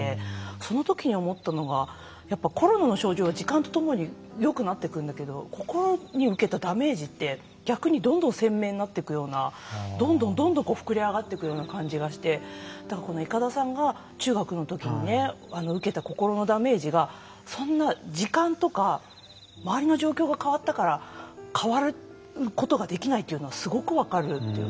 その時に思ったのがコロナの症状は時間とともによくなっていくんだけど心に受けたダメージって逆にどんどん鮮明になっていくような膨れ上がっていくような感じがして、いかださんが中学の時に受けた心のダメージが時間とか周りの状況が変わったから変わることができないというのはすごく分かるという。